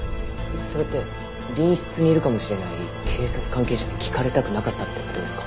それって隣室にいるかもしれない警察関係者に聞かれたくなかったって事ですか？